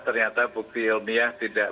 ternyata bukti ilmiah tidak